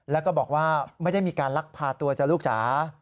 แล้วก็บอกว่าไม่ได้มีการลักพาตัวจ้ะลูกจ๋า